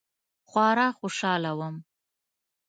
خورا خوشحاله وم.